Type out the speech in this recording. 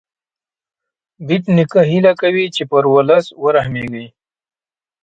بېټ نیکه هیله کوي چې پر ولس ورحمېږې.